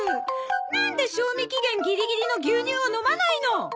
なんで賞味期限ギリギリの牛乳を飲まないの？